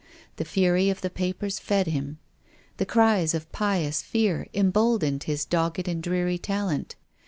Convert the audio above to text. The fury of the papers fed him. The cries of pious fear embold ened his dogged and dreary talent.